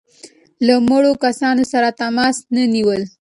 له مړو کسانو سره تماس نه نیول.